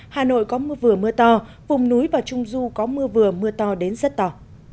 hà nội có mưa vừa mưa to vùng núi và trung du có mưa vừa mưa to đến rất to